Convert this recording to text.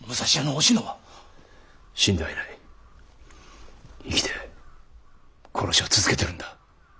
生きて殺しを続けてるんだ！